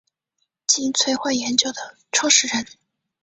金催化研究的创始人。